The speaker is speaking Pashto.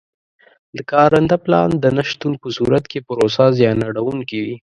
د کارنده پلان د نه شتون په صورت کې پروسه زیان اړوونکې وي.